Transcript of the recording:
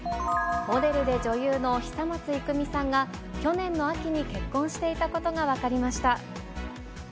モデルで女優の久松郁実さんが、去年の秋に結婚していたことが分かりました。